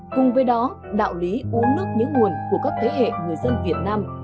cùng với đó đạo lý uống nước nhớ nguồn của các thế hệ người dân việt nam